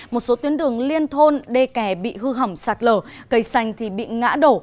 một số tuyến đường liên thôn đê kè bị hư hỏng sạt lở cây xanh bị ngã đổ